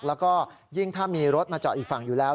แล้วก็ยิ่งถ้ามีรถมาจอดอีกฝั่งอยู่แล้ว